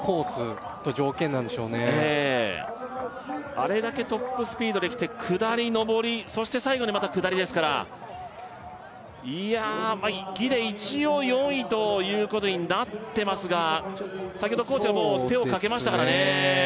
あれだけトップスピードで来て下り上りそして最後にまた下りですからいやあギデイ一応４位ということになってますが先ほどコーチがもう手をかけましたからね